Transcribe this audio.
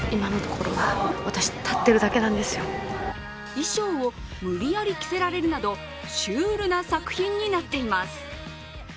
衣装を無理やり着せられるなどシュールな作品になっています。